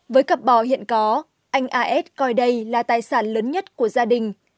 với cặp bò hiện có anh a s coi đây là tài sản lớn nhất của gia đình